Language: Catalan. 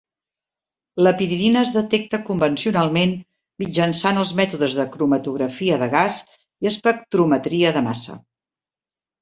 La piridina es detecta convencionalment mitjançant els mètodes de cromatografia de gas i espectrometria de massa.